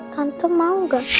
tante mau gak